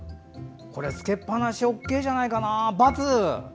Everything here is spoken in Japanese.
これはつけっぱなしＯＫじゃないかな？×！